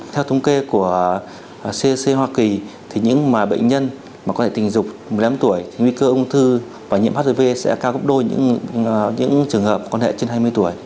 theo thống kê của cdc hoa kỳ thì những bệnh nhân có đường tình dục một mươi năm tuổi thì nguy cơ ung thư và nhiễm hpv sẽ cao gấp đôi những trường hợp quan hệ trên hai mươi tuổi